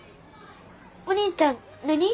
お兄ちゃん何？